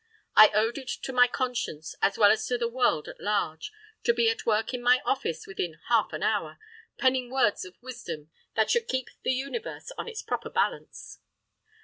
I owed it to my conscience, as well as to the world at large, to be at work in my office within half an hour, penning words of wisdom that should keep the universe on its proper balance.